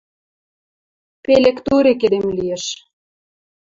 Пелек-турек эдем лиэш.